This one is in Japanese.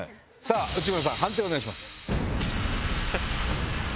内村さん判定お願いします。